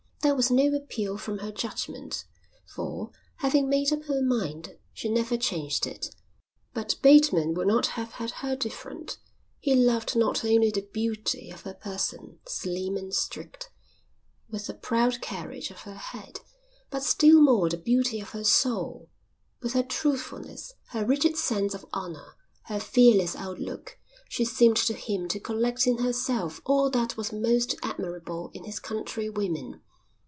There was no appeal from her judgment, for, having made up her mind, she never changed it. But Bateman would not have had her different. He loved not only the beauty of her person, slim and straight, with the proud carriage of her head, but still more the beauty of her soul. With her truthfulness, her rigid sense of honour, her fearless outlook, she seemed to him to collect in herself all that was most admirable in his countrywomen.